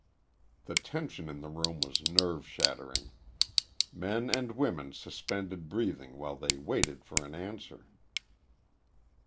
The tension in the room was nerve shattering. Men and women suspended breathing while they waited for an answer.